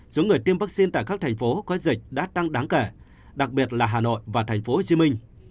số người tiêm vaccine tại các thành phố có dịch đã tăng đáng kể đặc biệt là hà nội và thành phố hồ chí minh